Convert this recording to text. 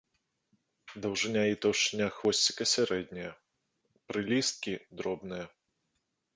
Даўжыня і таўшчыня хвосціка сярэднія, прылісткі дробныя.